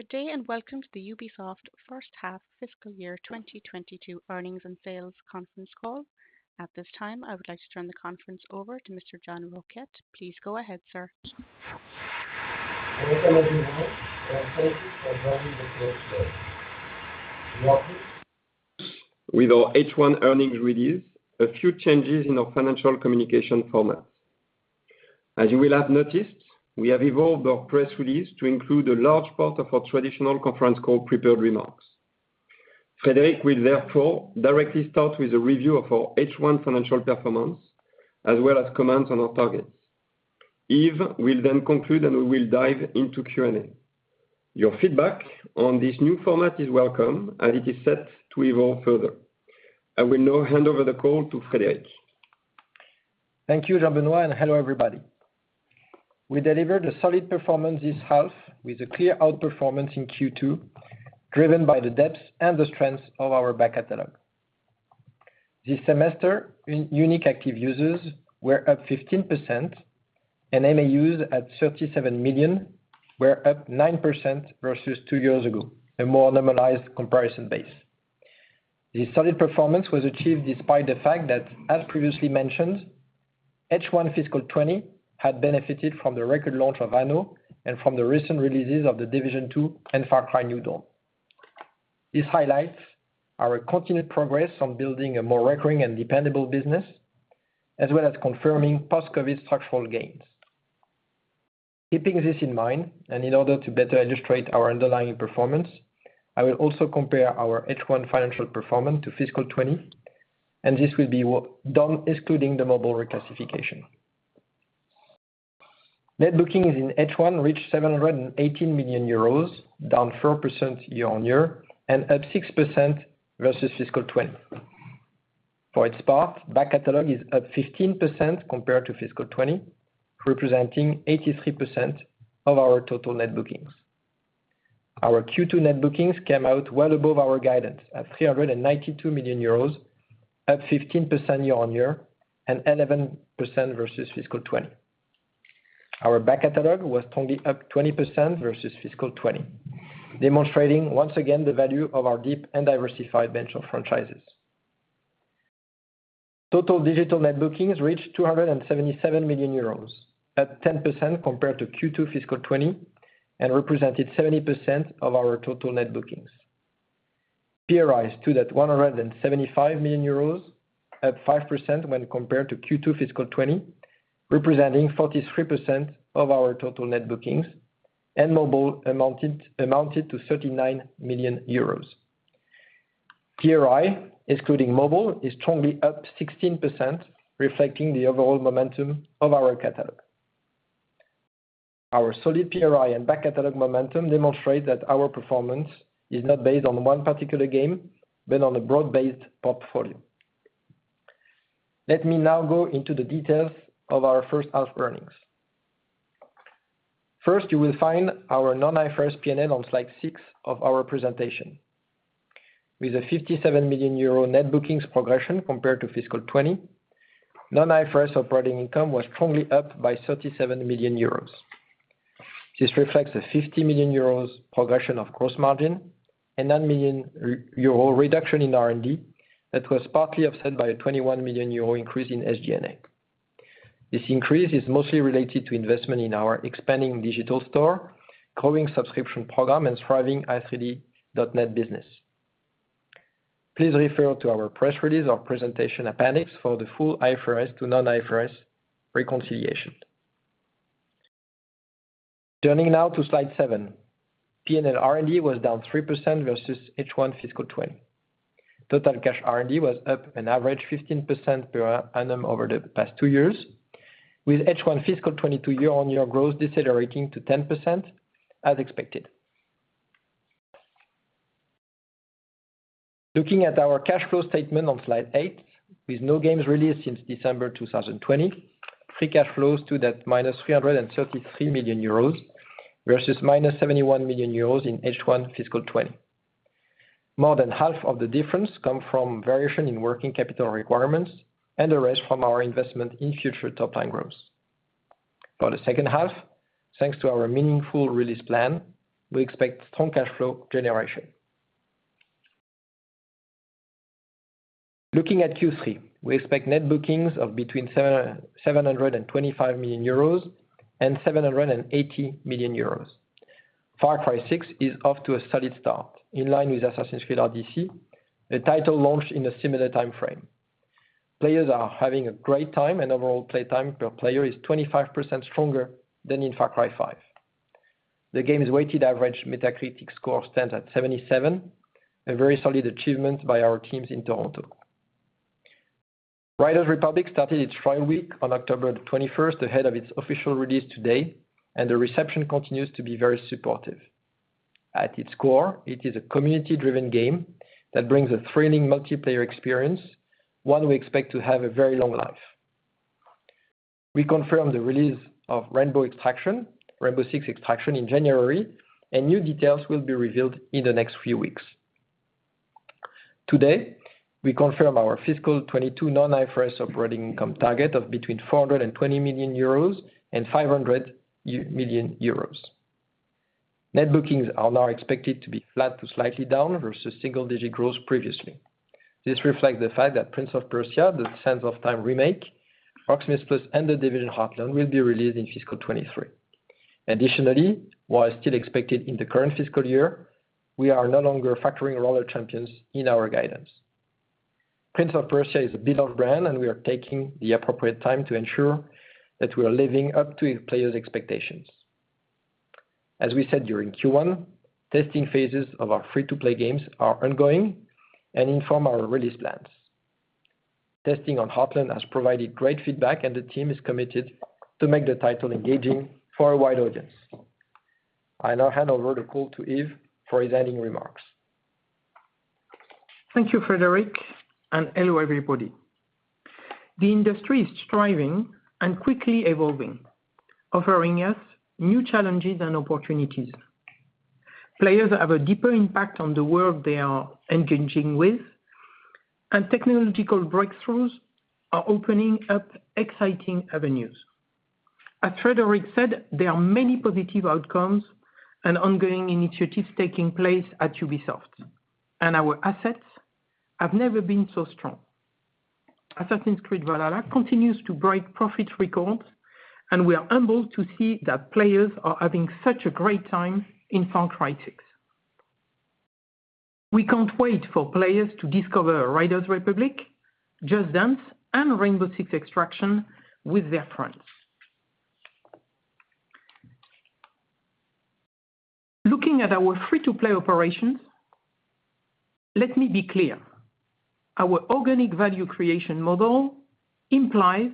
Good day, and welcome to the Ubisoft first half fiscal year 2022 earnings and sales conference call. At this time, I would like to turn the conference over to Mr. Jean Roquette. Please go ahead, sir. Welcome, everyone, and thank you for joining the conference call. With our H1 earnings release, a few changes in our financial communication format. As you will have noticed, we have evolved our press release to include a large part of our traditional conference call prepared remarks. Frédérick will therefore directly start with a review of our H1 financial performance, as well as comments on our targets. Yves will then conclude, and we will dive into Q&A. Your feedback on this new format is welcome, and it is set to evolve further. I will now hand over the call to Frédérick. Thank you, Jean-Benoît, and hello everybody. We delivered a solid performance this half with a clear outperformance in Q2, driven by the depth and the strength of our back catalog. This semester, unique active users were up 15% and MAUs at 37 million were up 9% versus two years ago, a more normalized comparison base. This solid performance was achieved despite the fact that as previously mentioned, H1 fiscal 2020 had benefited from the record launch of Anno and from the recent releases of The Division 2 and Far Cry New Dawn. This highlights our continued progress on building a more recurring and dependable business, as well as confirming post-Covid structural gains. Keeping this in mind, and in order to better illustrate our underlying performance, I will also compare our H1 financial performance to fiscal 2020, and this will be done excluding the mobile reclassification. Net bookings in H1 reached 718 million euros, down 4% year-on-year and up 6% versus fiscal 2020. For its part, back catalog is up 15% compared to fiscal 2020, representing 83% of our total net bookings. Our Q2 net bookings came out well above our guidance at 392 million euros, up 15% year-on-year and 11% versus fiscal 2020. Our back catalog was up 20% versus fiscal 2020, demonstrating once again the value of our deep and diversified bench of franchises. Total digital net bookings reached 277 million euros, up 10% compared to Q2 fiscal 2020 and represented 70% of our total net bookings. PRI stood at 175 million euros, up 5% when compared to Q2 FY 2020, representing 43% of our total net bookings, and mobile amounted to 39 million euros. PRI, excluding mobile, is strongly up 16%, reflecting the overall momentum of our catalog. Our solid PRI and back-catalog momentum demonstrate that our performance is not based on one particular game, but on a broad-based portfolio. Let me now go into the details of our first half earnings. First, you will find our non-IFRS P&L on slide 6 of our presentation. With a 57 million euro net bookings progression compared to FY 2020, non-IFRS operating income was strongly up by 37 million euros. This reflects a 50 million euros progression of gross margin and 9 million euro reduction in R&D that was partly offset by a 21 million euro increase in SG&A. This increase is mostly related to investment in our expanding digital store, growing subscription program and thriving i3D.net business. Please refer to our press release or presentation appendix for the full IFRS to non-IFRS reconciliation. Turning now to slide 7, P&L R&D was down 3% versus H1 fiscal 2020. Total cash R&D was up an average 15% per annum over the past two years, with H1 fiscal 2022 year-on-year growth decelerating to 10% as expected. Looking at our cash flow statement on slide 8, with no games released since December 2020, free cash flows stood at -333 million euros versus -71 million euros in H1 fiscal 2020. More than half of the difference come from variation in working capital requirements and the rest from our investment in future top-line growth. For the second half, thanks to our meaningful release plan, we expect strong cash flow generation. Looking at Q3, we expect net bookings of between 725 million euros and 780 million euros. Far Cry 6 is off to a solid start in line with Assassin's Creed Odyssey, a title launched in a similar timeframe. Players are having a great time, and overall play time per player is 25% stronger than in Far Cry 5. The game's weighted average Metacritic score stands at 77, a very solid achievement by our teams in Toronto. Riders Republic started its trial week on October 21, ahead of its official release today, and the reception continues to be very supportive. At its core, it is a community-driven game that brings a thrilling multiplayer experience, one we expect to have a very long life. We confirm the release of Rainbow Six Extraction in January, and new details will be revealed in the next few weeks. Today, we confirm our fiscal 2022 non-IFRS operating income target of between 420 million euros and 500 million euros. Net bookings are now expected to be flat to slightly down versus single-digit growth previously. This reflects the fact that Prince of Persia: The Sands of Time Remake, Rocksmith+ and The Division Heartland will be released in fiscal 2023. Additionally, while still expected in the current fiscal year, we are no longer factoring Roller Champions in our guidance. Prince of Persia is a beloved brand, and we are taking the appropriate time to ensure that we are living up to his players' expectations. As we said during Q1, testing phases of our free-to-play games are ongoing and inform our release plans. Testing on Heartland has provided great feedback, and the team is committed to make the title engaging for a wide audience. I now hand over the call to Yves for his ending remarks. Thank you, Frédérick, and hello, everybody. The industry is striving and quickly evolving, offering us new challenges and opportunities. Players have a deeper impact on the world they are engaging with, and technological breakthroughs are opening up exciting avenues. As Frédérick said, there are many positive outcomes and ongoing initiatives taking place at Ubisoft, and our assets have never been so strong. Assassin's Creed Valhalla continues to break profits records, and we are humbled to see that players are having such a great time in Far Cry 6. We can't wait for players to discover Riders Republic, Just Dance, and Rainbow Six Extraction with their friends. Looking at our free-to-play operations, let me be clear. Our organic value creation model implies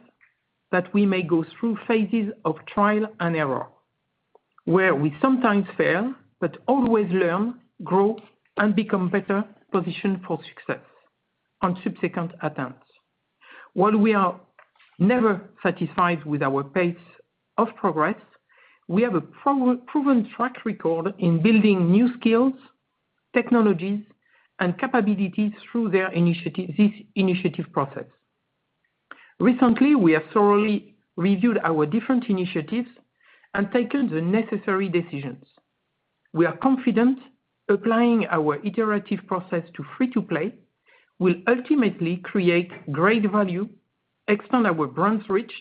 that we may go through phases of trial and error, where we sometimes fail but always learn, grow, and become better positioned for success on subsequent attempts. While we are never satisfied with our pace of progress, we have a proven track record in building new skills, technologies, and capabilities through this initiative process. Recently, we have thoroughly reviewed our different initiatives and taken the necessary decisions. We are confident applying our iterative process to free-to-play will ultimately create great value, expand our brand's reach,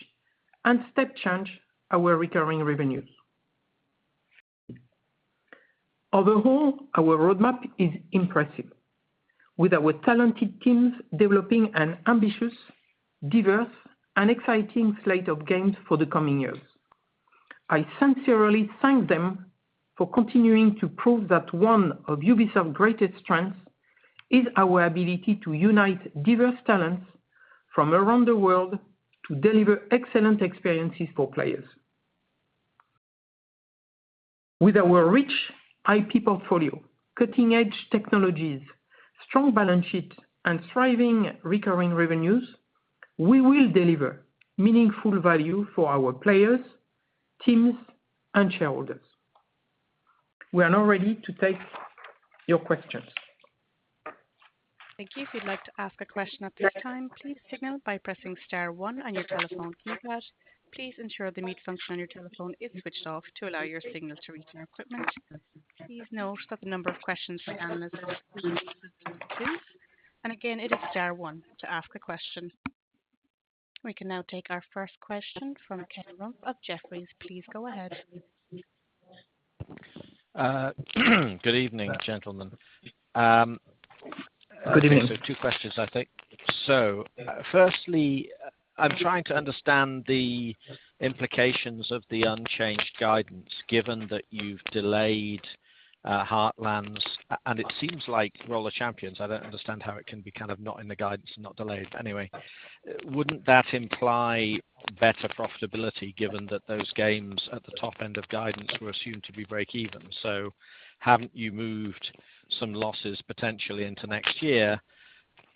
and step change our recurring revenues. Overall, our roadmap is impressive with our talented teams developing an ambitious, diverse, and exciting slate of games for the coming years. I sincerely thank them for continuing to prove that one of Ubisoft's greatest strengths is our ability to unite diverse talents from around the world to deliver excellent experiences for players. With our rich IP portfolio, cutting-edge technologies, strong balance sheet, and thriving recurring revenues, we will deliver meaningful value for our players, teams, and shareholders. We are now ready to take your questions. Thank you. If you'd like to ask a question at this time, please signal by pressing star one on your telephone keypad. Please ensure the mute function on your telephone is switched off to allow your signal to reach our equipment. Please note that the number of questions from analysts is limited today. Again, it is star one to ask a question. We can now take our first question from Ken Rumph of Jefferies. Please go ahead. Good evening, gentlemen. Good evening. Two questions, I think. Firstly, I'm trying to understand the implications of the unchanged guidance, given that you've delayed Heartland, and it seems like Roller Champions. I don't understand how it can be kind of not in the guidance and not delayed. Anyway, wouldn't that imply better profitability given that those games at the top end of guidance were assumed to be breakeven? Haven't you moved some losses potentially into next year,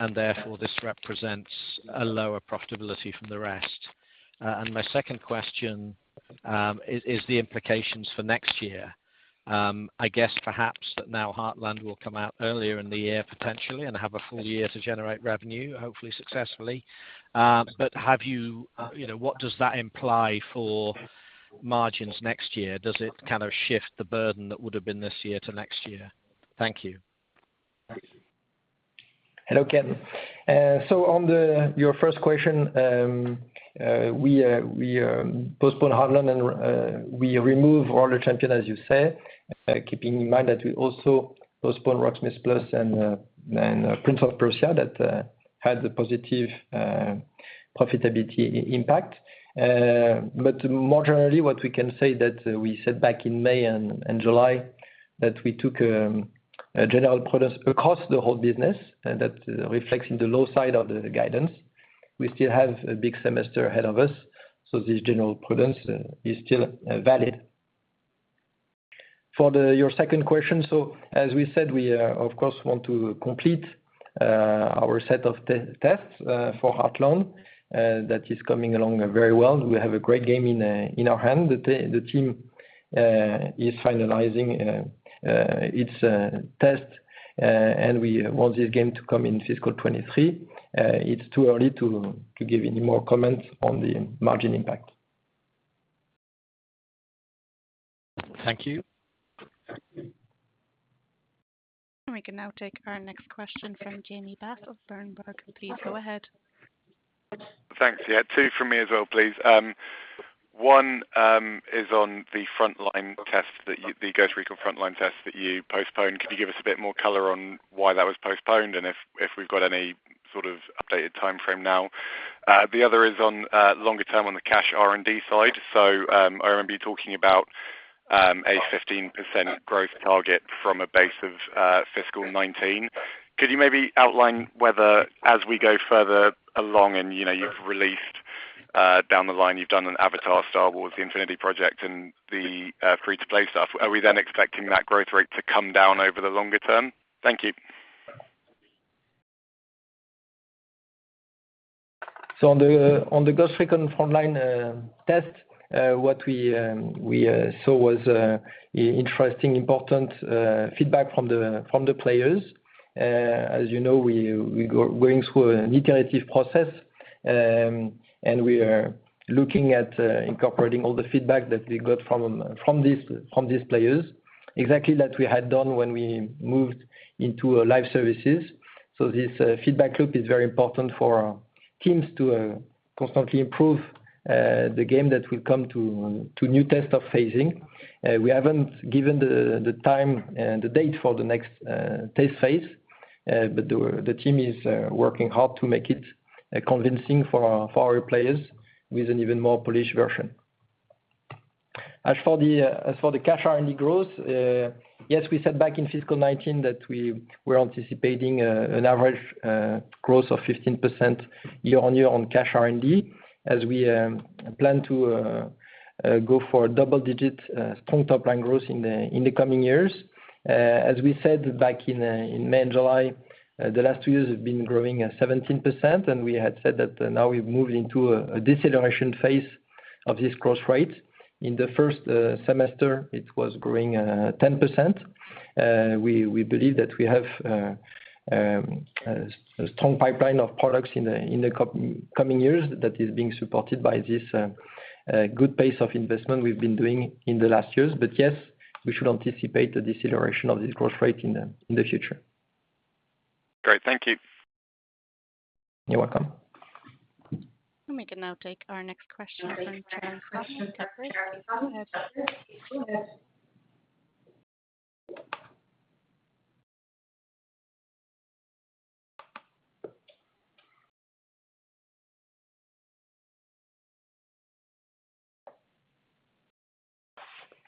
and therefore, this represents a lower profitability from the rest? And my second question is the implications for next year. I guess perhaps that now Heartland will come out earlier in the year, potentially, and have a full year to generate revenue, hopefully successfully. But have you know, what does that imply for margins next year? Does it kind of shift the burden that would have been this year to next year? Thank you. Thanks. Hello, Ken. On your first question, we postpone Heartland and we remove Roller Champions, as you say, keeping in mind that we also postpone Rocksmith+ and Prince of Persia that had a positive profitability impact. But moderately, what we can say that we said back in May and July, that we took a general prudence across the whole business, and that reflects in the low side of the guidance. We still have a big semester ahead of us, this general prudence is still valid. For your second question, as we said, we of course want to complete our set of tests for Heartland that is coming along very well. We have a great game in our hand. The team is finalizing its test and we want this game to come in fiscal 2023. It's too early to give any more comments on the margin impact. Thank you. We can now take our next question from Jamie Bass of Berenberg. Go ahead. Thanks. Yeah, two from me as well, please. One is on the Ghost Recon Frontline test that you postponed. Could you give us a bit more color on why that was postponed, and if we've got any sort of updated timeframe now? The other is on longer term on the cash R&D side. I remember you talking about a 15% growth target from a base of fiscal 2019. Could you maybe outline whether as we go further along and, you know, you've released down the line, you've done an Avatar, Star Wars, the Infinity Project and the free-to-play stuff, are we then expecting that growth rate to come down over the longer term? Thank you. On the Ghost Recon Frontline test, what we saw was interesting, important feedback from the players. As you know, we going through an iterative process, and we are looking at incorporating all the feedback that we got from these players, exactly that we had done when we moved into live services. This feedback loop is very important for our teams to constantly improve the game that will come to new testing phase. We haven't given the time and the date for the next test phase, but the team is working hard to make it convincing for our players with an even more polished version. As for the cash R&D growth, yes, we said back in fiscal 2019 that we're anticipating an average growth of 15% year-on-year on cash R&D as we plan to go for double-digit strong top line growth in the coming years. As we said back in May and July, the last two years have been growing at 17%, and we had said that now we've moved into a deceleration phase of this growth rate. In the first semester, it was growing 10%. We believe that we have a strong pipeline of products in the coming years that is being supported by this good pace of investment we've been doing in the last years. Yes, we should anticipate the deceleration of this growth rate in the future. Great. Thank you. You're welcome. We can now take our next question from the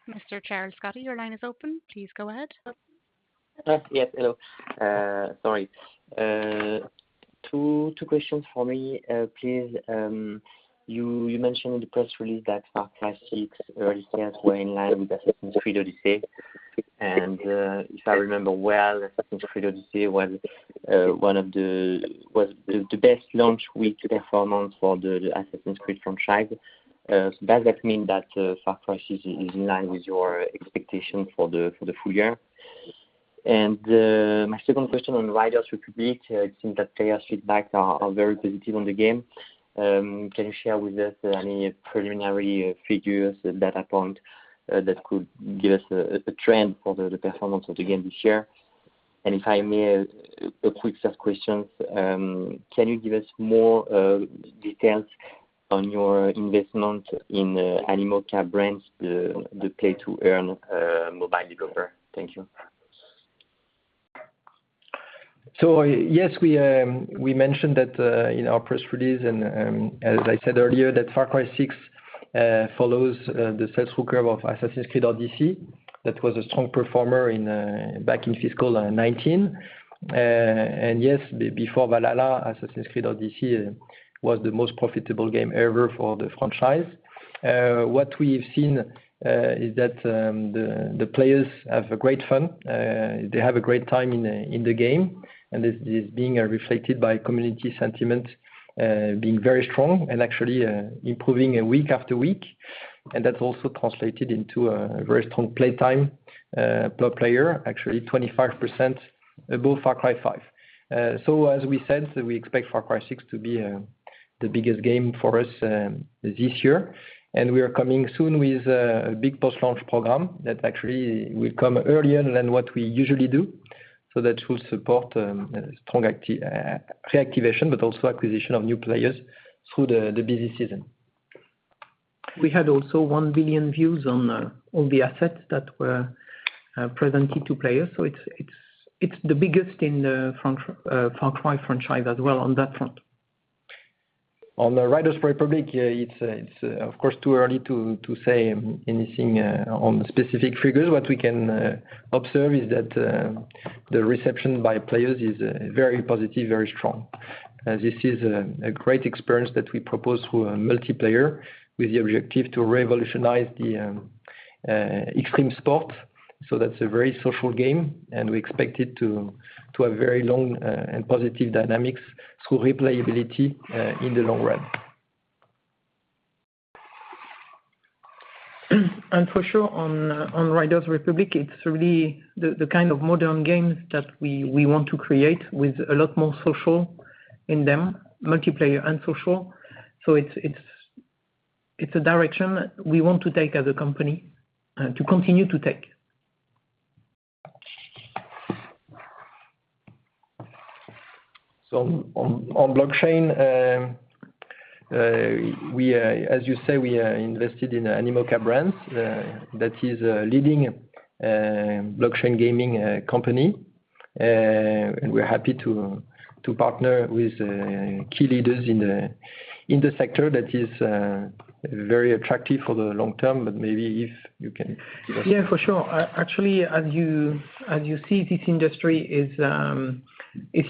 line of Charles Scotti. Mr. Charles Scotti, your line is open. Please go ahead. Yes. Hello. Sorry. Two questions for me, please. You mentioned in the press release that Far Cry 6 early sales were in line with Assassin's Creed Odyssey. If I remember well, Assassin's Creed Odyssey was the best launch week performance for the Assassin's Creed franchise. Does that mean that Far Cry 6 is in line with your expectations for the full year? My second question on Riders Republic, I think that player feedback are very positive on the game. Can you share with us any preliminary figures, data point that could give us a trend for the performance of the game this year? If I may, a quick third question, can you give us more details on your investment in Animoca Brands, the play-to-earn mobile game offering? Thank you. Yes, we mentioned that in our press release, and as I said earlier, that Far Cry 6 follows the sales hook curve of Assassin's Creed Odyssey. That was a strong performer back in fiscal 2019. Before Valhalla, Assassin's Creed Odyssey was the most profitable game ever for the franchise. What we've seen is that the players have a great fun, they have a great time in the game, and this is being reflected by community sentiment being very strong and actually improving week after week. That's also translated into a very strong play time per player, actually 25% above Far Cry 5. As we said, we expect Far Cry 6 to be the biggest game for us this year. We are coming soon with a big post-launch program that actually will come earlier than what we usually do. That will support strong reactivation, but also acquisition of new players through the busy season. We had also 1 billion views on the assets that were presented to players. It's the biggest in the Far Cry franchise as well on that front. On the Riders Republic, it's of course too early to say anything on the specific figures. What we can observe is that the reception by players is very positive, very strong. This is a great experience that we propose to a multiplayer with the objective to revolutionize the extreme sport. That's a very social game, and we expect it to have very long and positive dynamics through replayability in the long run. For sure on Riders Republic, it's really the kind of modern games that we want to create with a lot more social in them, multiplayer and social. It's a direction we want to take as a company, to continue to take. On blockchain, as you say, we are invested in Animoca Brands, that is a leading blockchain gaming company. We're happy to partner with key leaders in the sector that is very attractive for the long term. Maybe if you can- Yeah, for sure. Actually, as you see, this industry is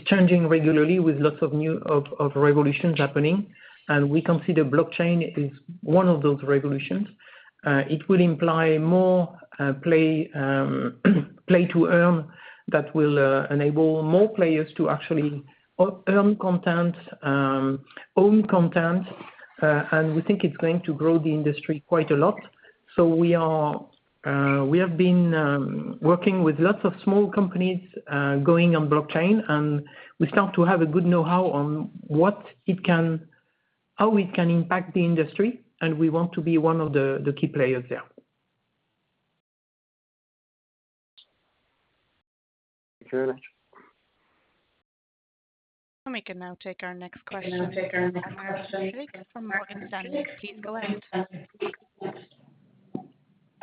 changing regularly with lots of new revolutions happening. We consider blockchain is one of those revolutions. It will imply more play to earn that will enable more players to actually earn content, own content, and we think it's going to grow the industry quite a lot. We have been working with lots of small companies going on blockchain, and we start to have a good know-how on how it can impact the industry, and we want to be one of the key players there. Thank you very much. We can now take our next question from Omar Sheikh from Morgan Stanley. Please go ahead.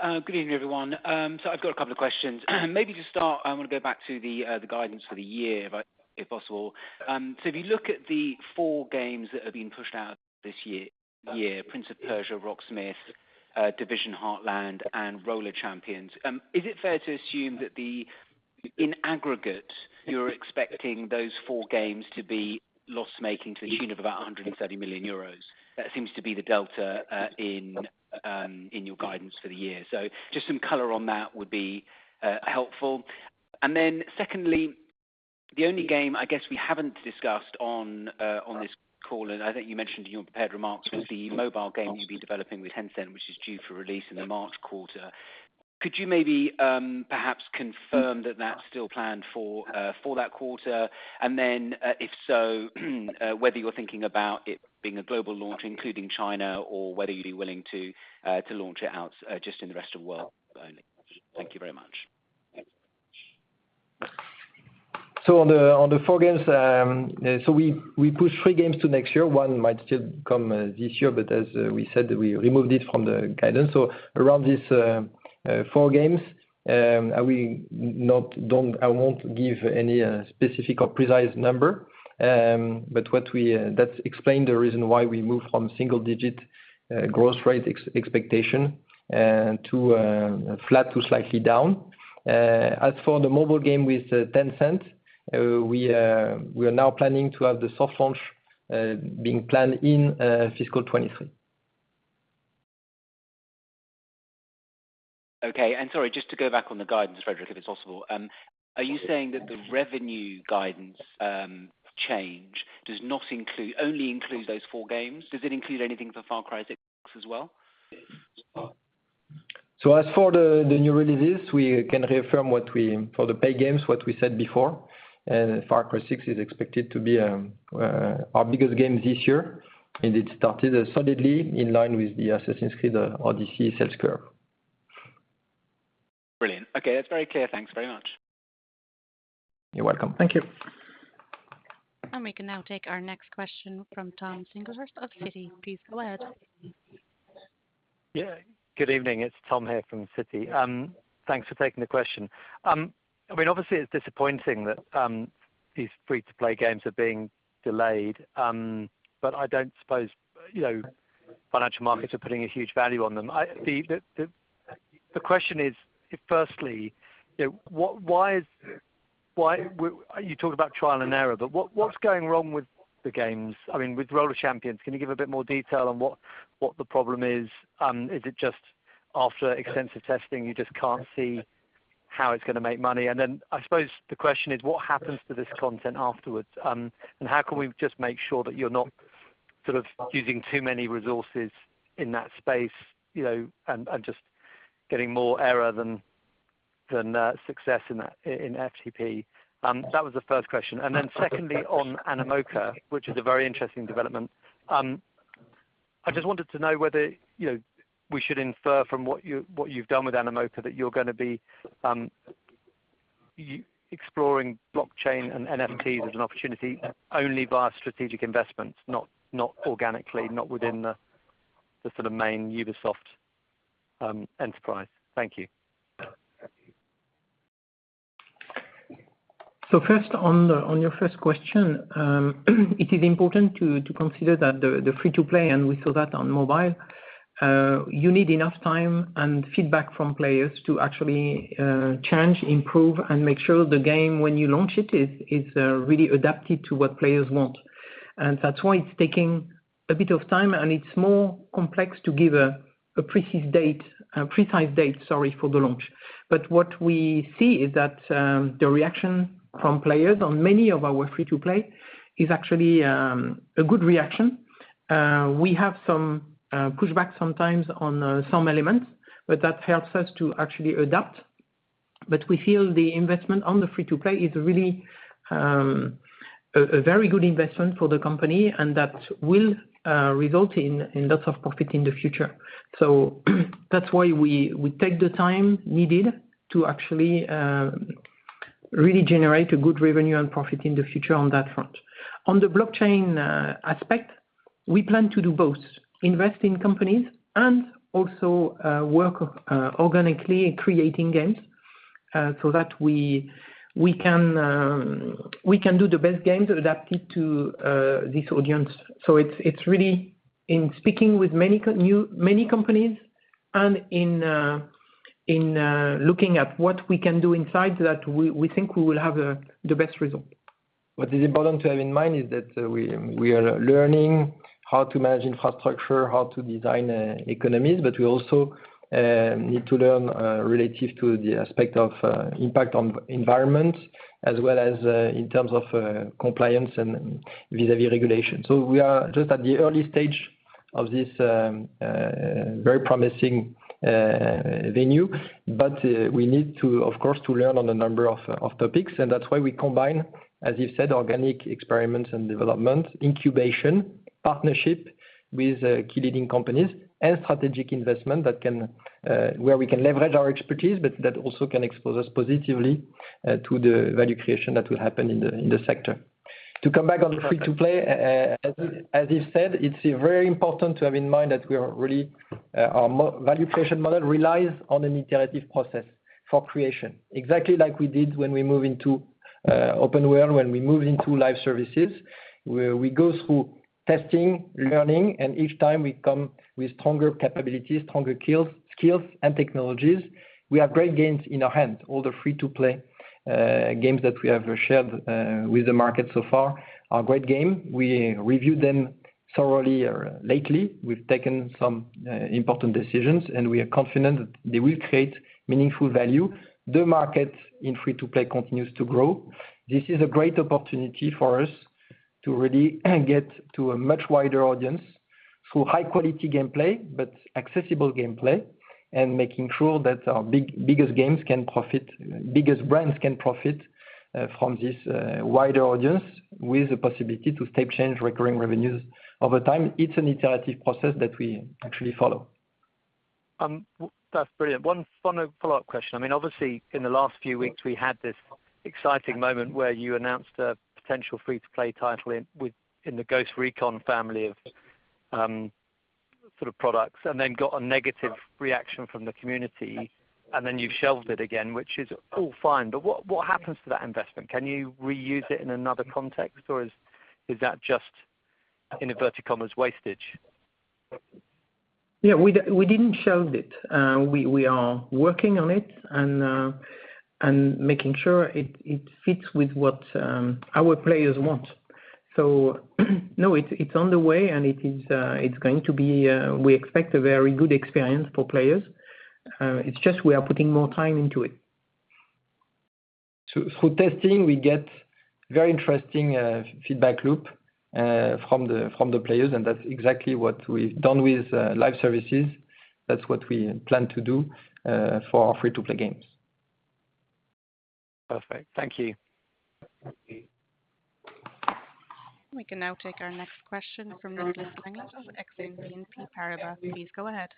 Good evening, everyone. I've got a couple of questions. Maybe to start, I want to go back to the guidance for the year, if possible. If you look at the four games that are being pushed out this year, Prince of Persia, Rocksmith+, Division Heartland and Roller Champions, is it fair to assume that in aggregate, you're expecting those four games to be loss-making to the tune of about 130 million euros? That seems to be the delta in your guidance for the year. Just some color on that would be helpful. Secondly, the only game I guess we haven't discussed on this call, and I think you mentioned in your prepared remarks, was the mobile game you've been developing with Tencent, which is due for release in the March quarter. Could you maybe perhaps confirm that that's still planned for that quarter? If so, whether you're thinking about it being a global launch, including China, or whether you'd be willing to launch it out just in the rest of the world only. Thank you very much. On the four games, we pushed three games to next year. One might still come this year, but as we said, we removed it from the guidance. Around these four games, I won't give any specific or precise number. That explains the reason why we moved from single-digit growth rate expectation to flat to slightly down. As for the mobile game with Tencent, we are now planning to have the soft launch being planned in fiscal 2023. Okay. Sorry, just to go back on the guidance, Frédérick, if it's possible. Are you saying that the revenue guidance change does not include only those four games? Does it include anything for Far Cry 6 as well? As for the new releases, we can reaffirm what we said before for the paid games. Far Cry 6 is expected to be our biggest game this year, and it started solidly in line with the Assassin's Creed Odyssey sales curve. Brilliant. Okay. That's very clear. Thanks very much. You're welcome. Thank you. We can now take our next question from Tom Singlehurst of Citi. Please go ahead. Yeah. Good evening. It's Tom here from Citi. Thanks for taking the question. I mean, obviously, it's disappointing that these free-to-play games are being delayed, but I don't suppose, you know, financial markets are putting a huge value on them. The question is, firstly, you know, you talked about trial and error, but what's going wrong with the games? I mean, with Roller Champions, can you give a bit more detail on what the problem is? Is it just after extensive testing, you just can't see how it's gonna make money? And then I suppose the question is, what happens to this content afterwards? How can we just make sure that you're not sort of using too many resources in that space, you know, and just getting more error than success in FTP? That was the first question. Secondly, on Animoca, which is a very interesting development. I just wanted to know whether, you know, we should infer from what you've done with Animoca that you're gonna be exploring blockchain and NFT as an opportunity only via strategic investments, not organically, not within the sort of main Ubisoft enterprise. Thank you. First, on your first question, it is important to consider that the free-to-play, and we saw that on mobile, you need enough time and feedback from players to actually change, improve, and make sure the game, when you launch it, is really adapted to what players want. That's why it's taking a bit of time, and it's more complex to give a precise date, sorry, for the launch. What we see is that the reaction from players on many of our free-to-play is actually a good reaction. We have some pushback sometimes on some elements, but that helps us to actually adapt. We feel the investment on the free-to-play is really a very good investment for the company and that will result in lots of profit in the future. That's why we take the time needed to actually really generate a good revenue and profit in the future on that front. On the blockchain aspect, we plan to do both, invest in companies and also work organically in creating games so that we can do the best games adapted to this audience. It's really in speaking with many companies and in looking at what we can do inside that we think we will have the best result. What is important to have in mind is that we are learning how to manage infrastructure, how to design economies, but we also need to learn relative to the aspect of impact on environment as well as in terms of compliance and vis-a-vis regulation. We are just at the early stage of this very promising venue. We need to, of course, to learn on a number of topics, and that's why we combine, as you said, organic experiments and development, incubation, partnership with key leading companies, and strategic investment that can where we can leverage our expertise, but that also can expose us positively to the value creation that will happen in the sector. To come back on the free-to-play, as you said, it's very important to have in mind that we are really our value creation model relies on an iterative process for creation. Exactly like we did when we moved into open world, when we moved into live services, where we go through testing, learning, and each time we come with stronger capabilities, stronger skills and technologies. We have great games in our hand. All the free-to-play games that we have shared with the market so far are great games. We reviewed them thoroughly of late. We've taken some important decisions, and we are confident that they will create meaningful value. The market in free-to-play continues to grow. This is a great opportunity for us to really get to a much wider audience through high-quality gameplay, but accessible gameplay, and making sure that our biggest games can profit, biggest brands can profit, from this, wider audience with the possibility to take change recurring revenues over time. It's an iterative process that we actually follow. That's brilliant. One final follow-up question. I mean, obviously, in the last few weeks, we had this exciting moment where you announced a potential free-to-play title in the Ghost Recon family of sort of products, and then got a negative reaction from the community, and then you've shelved it again, which is all fine. What happens to that investment? Can you reuse it in another context, or is that just in inverted commas wastage? Yeah. We didn't shelve it. We are working on it and making sure it fits with what our players want. No, it's on the way, and it's going to be, we expect a very good experience for players. It's just we are putting more time into it. Through testing, we get very interesting feedback loop from the players, and that's exactly what we've done with live services. That's what we plan to do for our free-to-play games. Perfect. Thank you. Okay. We can now take our next question from Nicolas Langlet from Exane BNP Paribas. Please go ahead.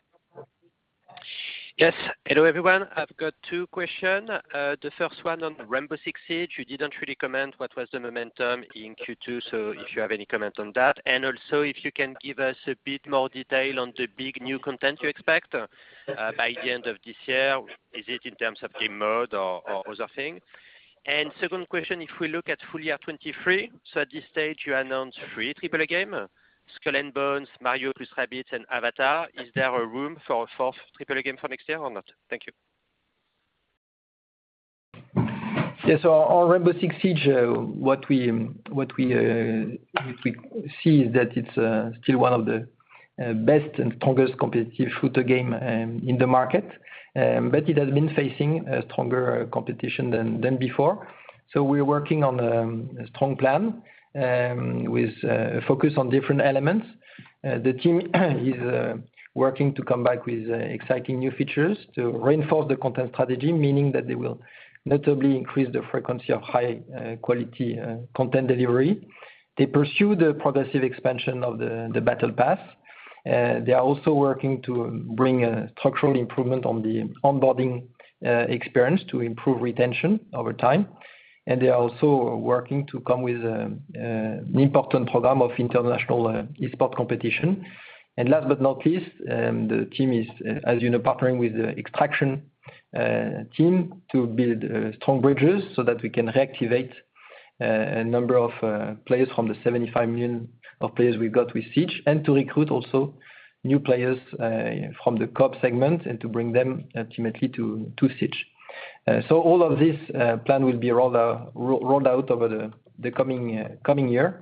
Yes. Hello, everyone. I've got two questions. The first one on Rainbow Six Siege. You didn't really comment on what was the momentum in Q2, so if you have any comments on that. Also if you can give us a bit more detail on the big new content you expect by the end of this year. Is it in terms of game mode or other things? Second question, if we look at full year 2023, so at this stage, you announced three triple-A games, Skull and Bones, Mario + Rabbids, and Avatar. Is there room for a fourth triple-A game for next year or not? Thank you. Yes. On Rainbow Six Siege, what we see is that it's still one of the best and strongest competitive shooter game in the market. It has been facing a stronger competition than before. We're working on a strong plan with focus on different elements. The team is working to come back with exciting new features to reinforce the content strategy, meaning that they will notably increase the frequency of high quality content delivery. They pursue the progressive expansion of the battle pass. They are also working to bring a structural improvement on the onboarding experience to improve retention over time. They are also working to come with an important program of international esports competition. Last but not least, the team is, as you know, partnering with the Extraction team to build strong bridges so that we can reactivate a number of players from the 75 million players we've got with Siege and to recruit also new players from the co-op segment and to bring them ultimately to Siege. All of this plan will be rolled out over the coming year.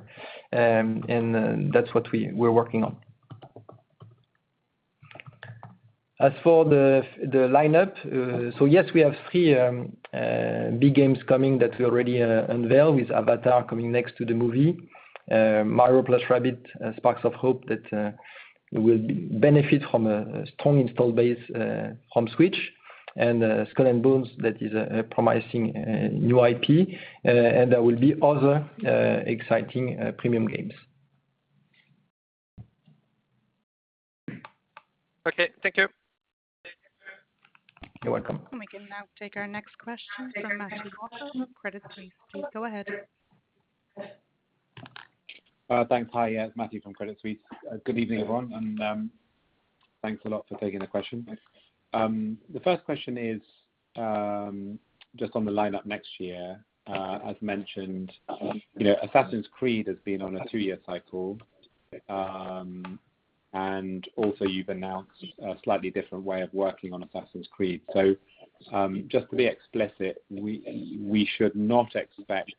That's what we're working on. As for the lineup, yes, we have three big games coming that we already unveiled with Avatar coming next to the movie. Mario + Rabbids Sparks of Hope that will benefit from a strong install base from Switch and Skull and Bones that is a promising new IP, and there will be other exciting premium games. Okay, thank you. You're welcome. We can now take our next question from Matthew Walker from Credit Suisse. Go ahead. Thanks. Hi, yeah, Matthew from Credit Suisse. Good evening, everyone, and thanks a lot for taking the question. The first question is just on the lineup next year. As mentioned, you know, Assassin's Creed has been on a two-year cycle. And also you've announced a slightly different way of working on Assassin's Creed. Just to be explicit, we should not expect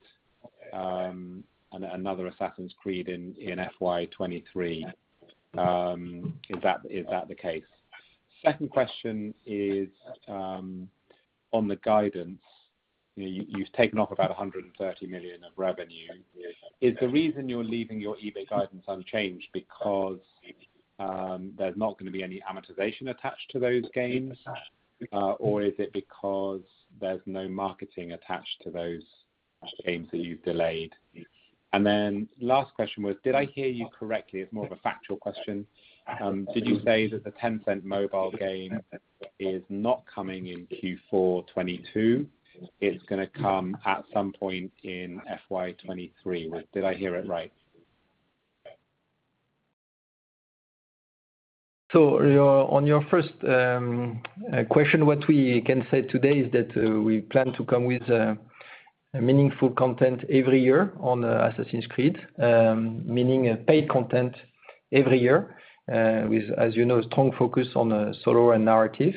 another Assassin's Creed in FY 2023. Is that the case? Second question is on the guidance. You've taken off about 130 million of revenue. Is the reason you're leaving your EBIT guidance unchanged because there's not gonna be any amortization attached to those gains? Or is it because there's no marketing attached to those games that you've delayed? Last question was, did I hear you correctly? It's more of a factual question. Did you say that the Tencent mobile game is not coming in Q4 2022? It's gonna come at some point in FY 2023. Did I hear it right? On your first question, what we can say today is that we plan to come with a meaningful content every year on Assassin's Creed, meaning a paid content every year, with, as you know, a strong focus on solo and narrative.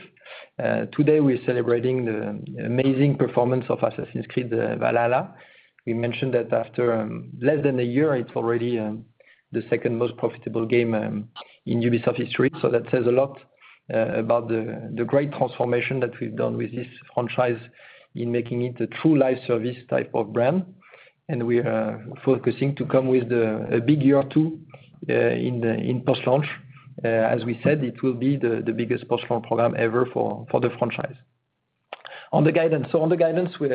Today, we're celebrating the amazing performance of Assassin's Creed Valhalla. We mentioned that after less than a year, it's already the second most profitable game in Ubisoft history. That says a lot about the great transformation that we've done with this franchise in making it a true live service type of brand. We are focusing to come with a big year two in post-launch. As we said, it will be the biggest post-launch program ever for the franchise. On the guidance. On the guidance, you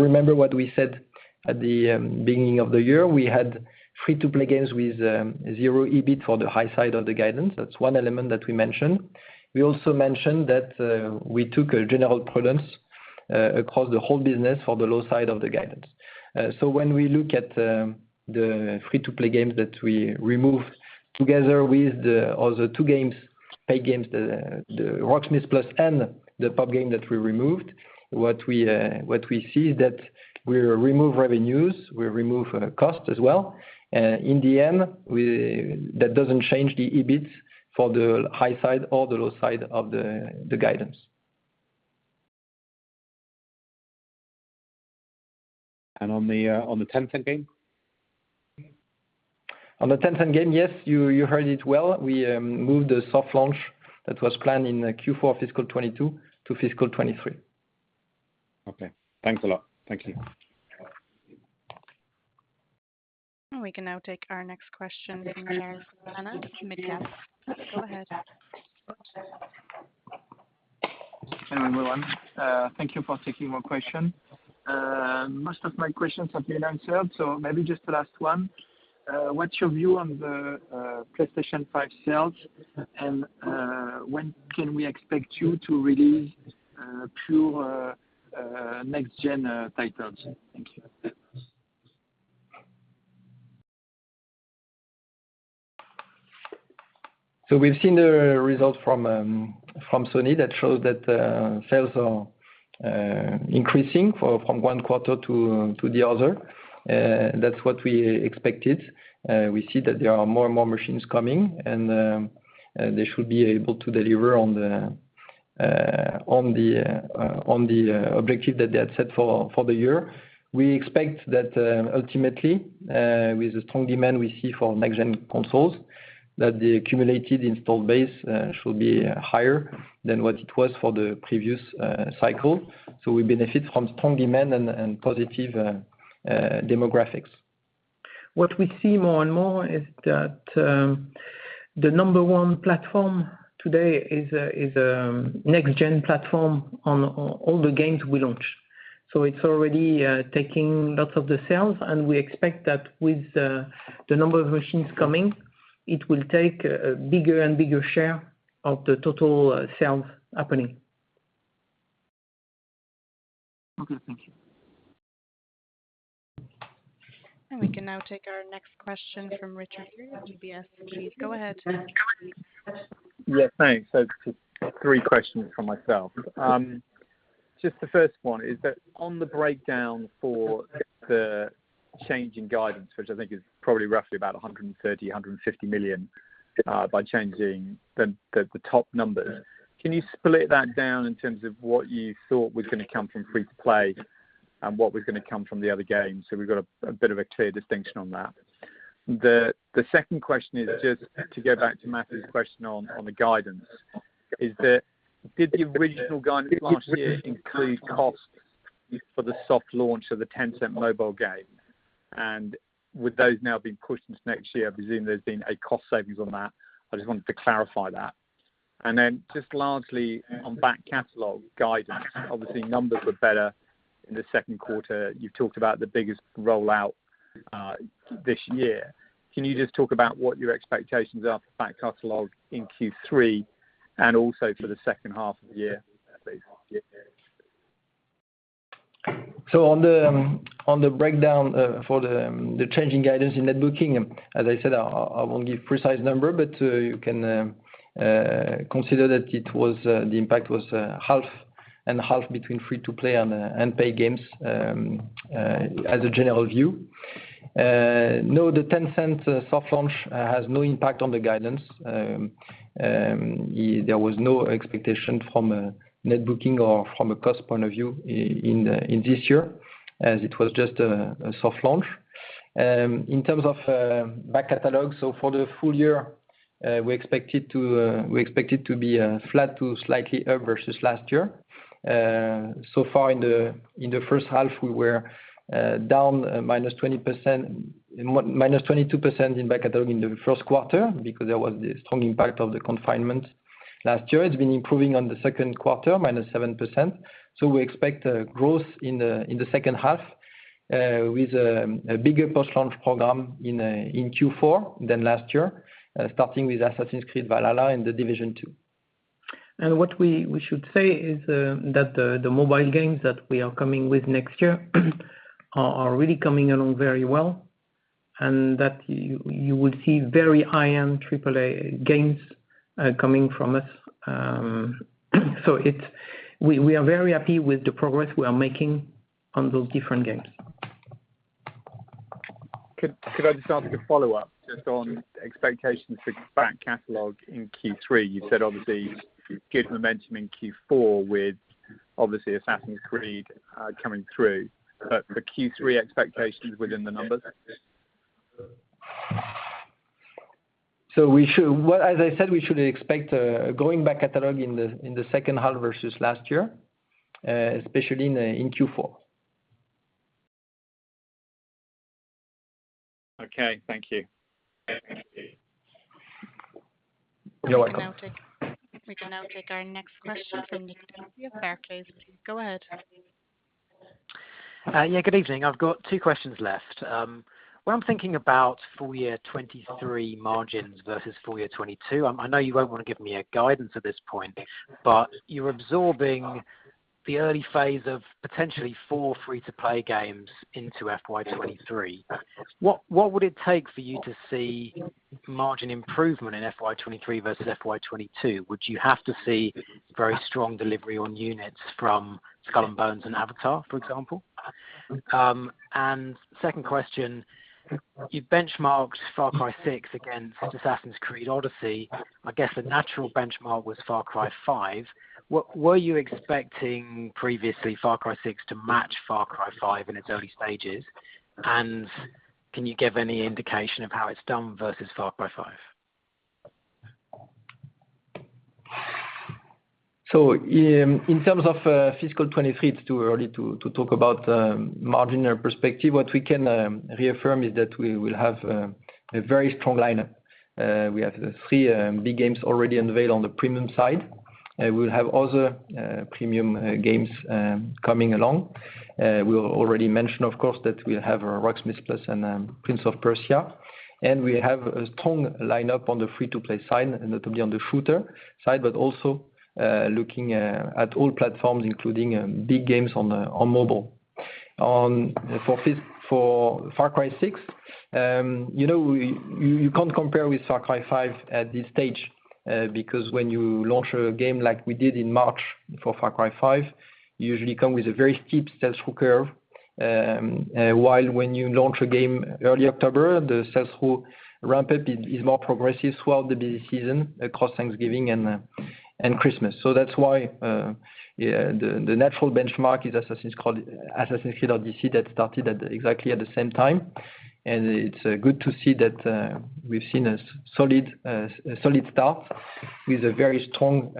remember what we said at the beginning of the year. We had free-to-play games with zero EBIT for the high side of the guidance. That's one element that we mentioned. We also mentioned that we took a general prudence across the whole business for the low side of the guidance. When we look at the free-to-play games that we removed together with the two paid games, the Rocksmith+ and the Prince of Persia: The Sands of Time Remake that we removed, what we see is that we remove revenues, we remove costs as well. In the end, that doesn't change the EBIT for the high side or the low side of the guidance. On the Tencent game? On the Tencent game, yes, you heard it well. We moved the soft launch that was planned in Q4 fiscal 2022 to fiscal 2023. Okay. Thanks a lot. Thank you. We can now take our next question from Charles-Louis Planade with Midcap. Go ahead. Hello, everyone. Thank you for taking my question. Most of my questions have been answered, so maybe just the last one. What's your view on the PlayStation 5 sales? When can we expect you to release pure next-gen titles? Thank you. We've seen the results from Sony that show that sales are increasing from one quarter to the other. That's what we expected. We see that there are more and more machines coming, and they should be able to deliver on the objective that they had set for the year. We expect that ultimately, with the strong demand we see for next-gen consoles, that the accumulated install base should be higher than what it was for the previous cycle. We benefit from strong demand and positive demographics. What we see more and more is that the number one platform today is a next-gen platform on all the games we launch. It's already taking lots of the sales, and we expect that with the number of machines coming, it will take a bigger and bigger share of the total sales happening. Okay. Thank you. We can now take our next question from Richard Eary at UBS. Please go ahead. Yeah. Thanks. Just three questions from myself. Just the first one is that on the breakdown for the change in guidance, which I think is probably roughly about 130 million-150 million, by changing the top numbers. Can you split that down in terms of what you thought was gonna come from free-to-play and what was gonna come from the other games, so we've got a bit of a clear distinction on that? The second question is just to go back to Matthew's question on the guidance. Did the original guidance last year include costs for the soft launch of the Tencent mobile game? And with those now being pushed into next year, I presume there's been a cost savings on that. I just wanted to clarify that. Just largely on back catalog guidance, obviously numbers were better in the second quarter. You've talked about the biggest rollout this year. Can you just talk about what your expectations are for back catalog in Q3 and also for the second half of the year, please? On the breakdown for the change in guidance in net bookings, as I said, I won't give precise number, but you can consider that the impact was half and half between free-to-play and pay games, as a general view. No, the Tencent soft launch has no impact on the guidance. There was no expectation from a net booking or from a cost point of view in this year, as it was just a soft launch. In terms of back catalog, for the full year, we expect it to be flat to slightly up versus last year. So far in the first half, we were down -20%. -22% in back catalog in the first quarter because there was the strong impact of the confinement last year. It's been improving on the second quarter, -7%. We expect a growth in the second half with a bigger post-launch program in Q4 than last year, starting with Assassin's Creed Valhalla and The Division Two. What we should say is that the mobile games that we are coming with next year are really coming along very well, and that you will see very high-end triple A games coming from us. We are very happy with the progress we are making on those different games. Could I just ask a follow-up just on expectations for back catalog in Q3? You've said obviously good momentum in Q4 with obviously Assassin's Creed coming through. For Q3 expectations within the numbers? Well, as I said, we should expect a growing back catalog in the second half versus last year, especially in Q4. Okay. Thank you. You're welcome. We can now take our next question from Nick Dempsey of Barclays. Go ahead. Yeah, good evening. I've got two questions left. When I'm thinking about full year 2023 margins versus full year 2022, I know you won't wanna give me a guidance at this point, but you're absorbing the early phase of potentially 4 free-to-play games into FY 2023. What would it take for you to see margin improvement in FY 2023 versus FY 2022? Would you have to see very strong delivery on units from Skull and Bones and Avatar, for example? And second question, you benchmarked Far Cry 6 against Assassin's Creed Odyssey. I guess the natural benchmark was Far Cry 5. Were you expecting previously Far Cry 6 to match Far Cry 5 in its early stages? And can you give any indication of how it's done versus Far Cry 5? In terms of fiscal 2023, it's too early to talk about margin perspective. What we can reaffirm is that we will have a very strong lineup. We have three big games already unveiled on the premium side. We'll have other premium games coming along. We already mentioned, of course, that we'll have Rainbow Six Extraction and Prince of Persia. We have a strong lineup on the free-to-play side, and that will be on the shooter side, but also looking at all platforms, including big games on mobile. For Far Cry 6, you know, we, you can't compare with Far Cry 5 at this stage, because when you launch a game like we did in March for Far Cry 5, you usually come with a very steep sales hook curve. While when you launch a game early October, the sales hook ramp-up is more progressive throughout the busy season across Thanksgiving and Christmas. That's why the natural benchmark is Assassin's Creed Odyssey that started exactly at the same time. It's good to see that we've seen a solid start with a very strong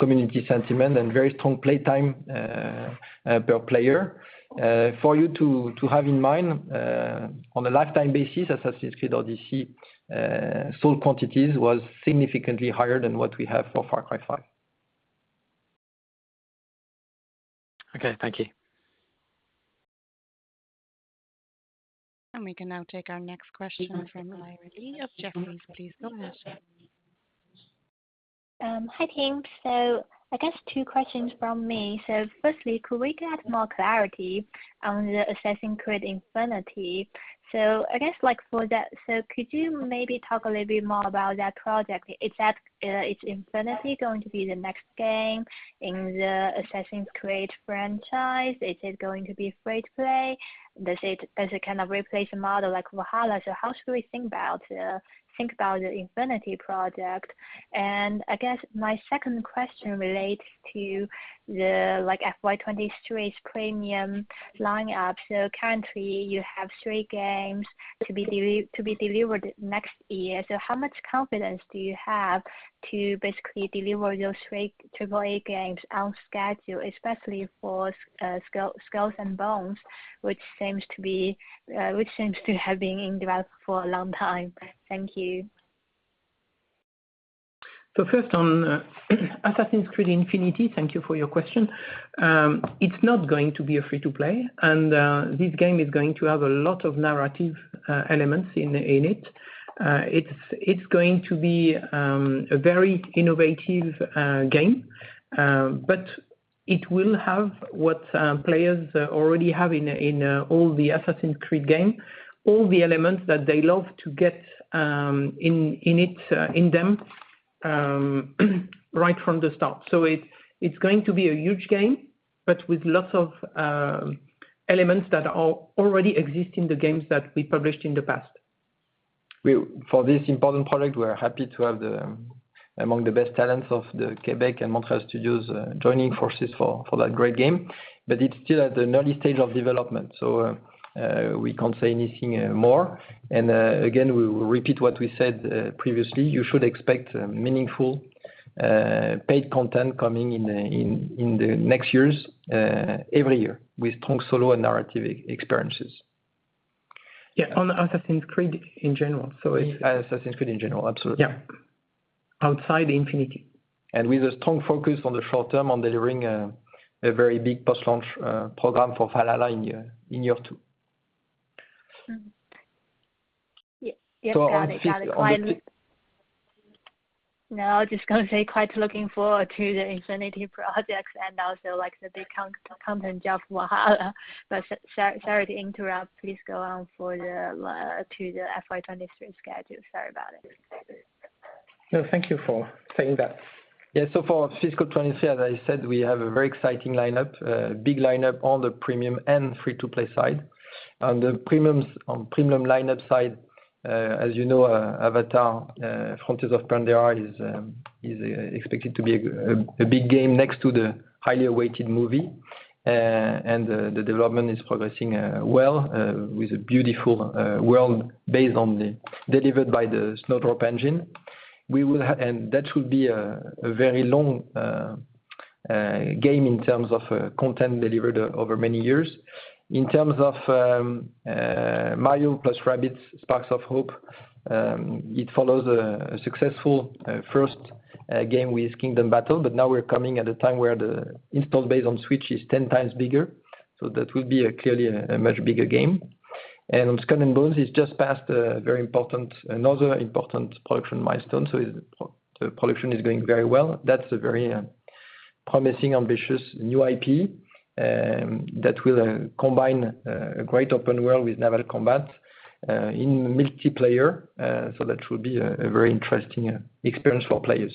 community sentiment and very strong play time per player. For you to have in mind, on a lifetime basis, Assassin's Creed Odyssey sold quantities was significantly higher than what we have for Far Cry 5. Okay. Thank you. We can now take our next question from Larry Li of Jefferies. Please go ahead, sir. Hi team. I guess two questions from me. Firstly, could we get more clarity on the Assassin's Creed Infinity? I guess, like for that. Could you maybe talk a little bit more about that project? Is that, is Infinity going to be the next game in the Assassin's Creed franchise? Is it going to be free to play? Does it kind of replace a model like Valhalla? How should we think about the Infinity project? I guess my second question relates to the, like FY 2023's premium lineup. Currently you have three games to be delivered next year. How much confidence do you have to basically deliver your three triple-A games on schedule, especially for Skull and Bones, which seems to have been in development for a long time. Thank you. First on Assassin's Creed Infinity. Thank you for your question. It's not going to be a free-to-play, and this game is going to have a lot of narrative elements in it. It's going to be a very innovative game, but it will have what players already have in all the Assassin's Creed game. All the elements that they love to get in it, in them right from the start. It's going to be a huge game, but with lots of elements that already exist in the games that we published in the past. For this important product, we're happy to have among the best talents of the Quebec and Montreal Studios, joining forces for that great game. It's still at an early stage of development, so we can't say anything more. Again, we will repeat what we said previously. You should expect meaningful paid content coming in in the next years every year with strong solo and narrative experiences. Yeah. On Assassin's Creed in general. Assassin's Creed in general. Absolutely. Yeah. Outside Infinity. With a strong focus on the short term on delivering a very big post-launch program for Valhalla in year two. Yeah. Yes, got it, got it. on fiscal 20- No, I was just gonna say I'm quite looking forward to the Infinity projects and also like the big content of Valhalla. Sorry, sorry to interrupt. Please go on to the FY 2023 schedule. Sorry about it. No, thank you for saying that. Yeah. For fiscal 2023, as I said, we have a very exciting lineup, big lineup on the premium and free-to-play side. On the premium lineup side, as you know, Avatar: Frontiers of Pandora is expected to be a big game next to the highly awaited movie. The development is progressing well with a beautiful world delivered by the Snowdrop engine. That will be a very long game in terms of content delivered over many years. In terms of Mario + Rabbids Sparks of Hope, it follows a successful first game, Kingdom Battle, but now we're coming at a time where the install base on Switch is 10 times bigger. That will be clearly a much bigger game. On Skull and Bones, it's just passed another important production milestone, the production is going very well. That's a very promising ambitious new IP that will combine a great open world with naval combat in multiplayer. That will be a very interesting experience for players.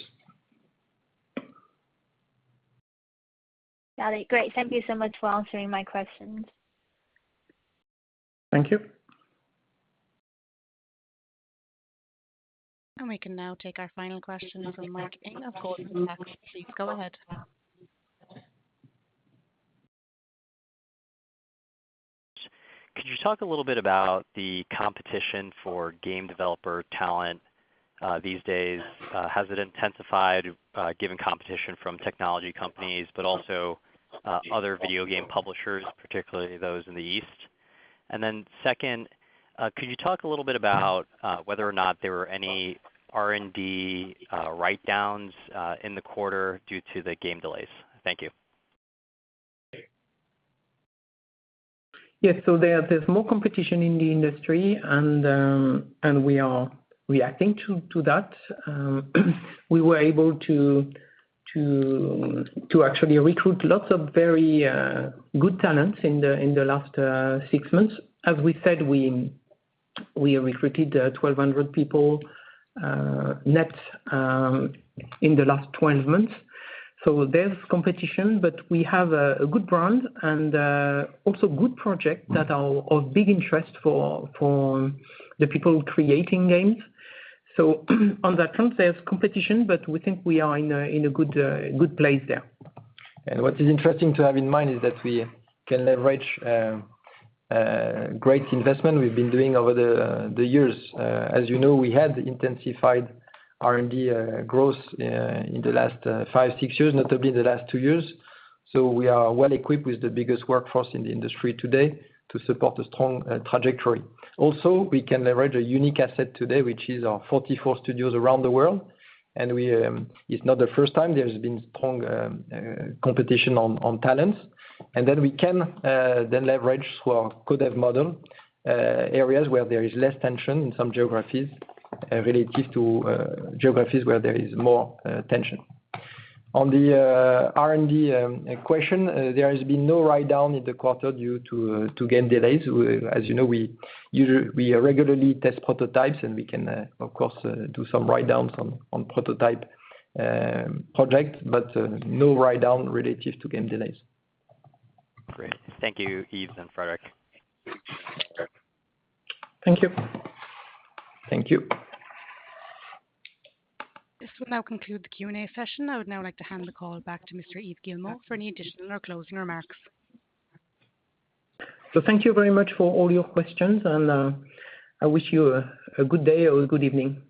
Got it. Great. Thank you so much for answering my questions. Thank you. We can now take our final question from the line Mike Ng with Goldman Sachs. Go ahead. Could you talk a little bit about the competition for game developer talent these days? Has it intensified given competition from technology companies, but also other video game publishers, particularly those in the East? Second, could you talk a little bit about whether or not there were any R&D write-downs in the quarter due to the game delays? Thank you. Yes. There's more competition in the industry and we are reacting to that. We were able to actually recruit lots of very good talents in the last six months. As we said, we recruited 1,200 people net in the last 12 months. There's competition, but we have a good brand and also good projects that are of big interest for the people creating games. On that front, there's competition, but we think we are in a good place there. What is interesting to have in mind is that we can leverage great investment we've been doing over the years. As you know, we had intensified R&D growth in the last 5, 6 years, notably in the last 2 years. We are well equipped with the biggest workforce in the industry today to support a strong trajectory. Also, we can leverage a unique asset today, which is our 44 studios around the world. It's not the first time there's been strong competition on talents. We can leverage through our co-dev model areas where there is less tension in some geographies relative to geographies where there is more tension. On the R&D question, there has been no write-down in the quarter due to game delays. As you know, we regularly test prototypes and we can, of course, do some write-downs on prototype projects, but no write-down relative to game delays. Great. Thank you, Yves and Frédérick. Thank you. Thank you. This will now conclude the Q&A session. I would now like to hand the call back to Mr. Yves Guillemot for any additional or closing remarks. Thank you very much for all your questions and I wish you a good day or a good evening.